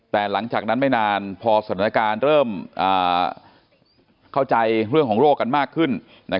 แต่หลังจากนั้นไม่นานพอสถานการณ์เริ่มเข้าใจเรื่องของโรคกันมากขึ้น